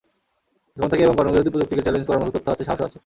ক্ষমতাকে এবং গণবিরোধী প্রযুক্তিকে চ্যালেঞ্জ করার মতো তথ্য আছে, সাহসও আছে।